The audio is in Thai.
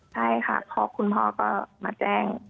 ใช่ค่ะเพราะคุณพ่อก็มาแจ้ง